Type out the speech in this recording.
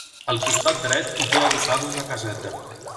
Al costat dret hi té adossada una caseta.